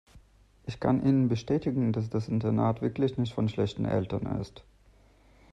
Ich kann Ihnen bestätigen, dass das Internat wirklich nicht von schlechten Eltern ist.